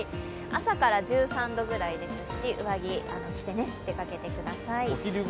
朝から１３度くらいですし、上着を着てお出かけください。